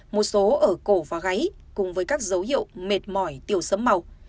một số ở cổ và gáy cùng với các dấu hiệu mệt mỏi tiểu sấm màu